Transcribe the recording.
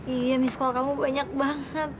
iya miss call kamu banyak banget